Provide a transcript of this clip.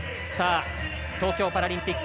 東京パラリンピック